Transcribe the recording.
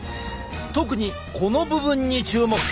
特にこの部分に注目。